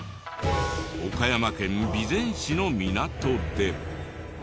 岡山県備前市の港で。